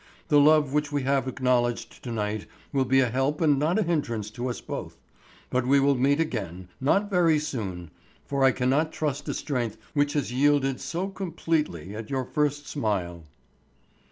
The love which we have acknowledged to night will be a help and not a hindrance to us both. But we will meet again, not very soon, for I cannot trust a strength which has yielded so completely at your first smile."